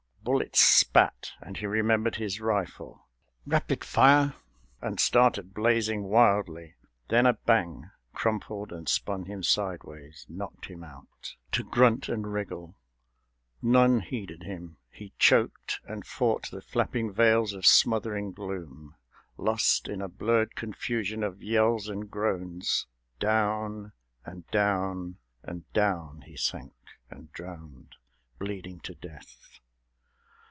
Bullets spat, And he remembered his rifle ... rapid fire ... And started blazing wildly ... then a bang Crumpled and spun him sideways, knocked him out To grunt and wriggle: none heeded him; he choked And fought the flapping veils of smothering gloom, Lost in a blurred confusion of yells and groans. Down, and down, and down, he sank and drowned, Bleeding to death.